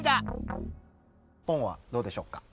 ポンはどうでしょうか？